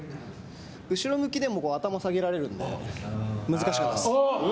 後ろ向きでも頭下げられるので難しかったです。